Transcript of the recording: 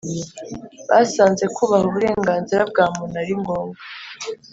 Basanze kubaha uburenganzira bwa muntu ari ngombwa